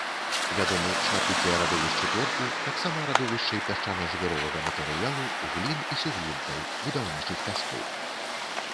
Вядомы шматлікія радовішчы торфу, таксама радовішчы пясчана-жвіровага матэрыялу, глін і суглінкаў, будаўнічых пяскоў.